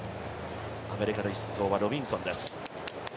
アメリカの１走はロビンソンです。